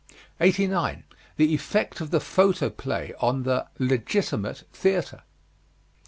89. THE EFFECT OF THE PHOTOPLAY ON THE "LEGITIMATE" THEATRE.